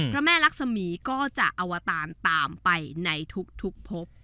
พระแม่รักษมีก็จะอวตารตามไปในทุกพบ